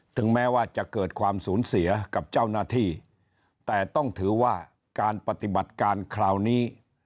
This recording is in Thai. ถึงแม้ว่าจะเกิดความสูญเสียกับเจ้าหน้าที่แต่ต้องถือว่าการปฏิบัติการคราวนี้